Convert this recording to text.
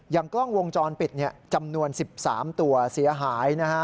อย่างกล้องวงจรปิดจำนวน๑๓ตัวเสียหาย